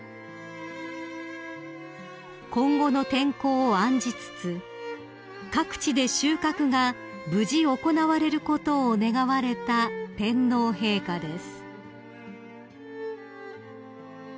［今後の天候を案じつつ各地で収穫が無事行われることを願われた天皇陛下です］